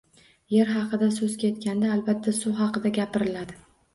Yer haqida so‘z ketganda albatta suv haqida gapiriladi.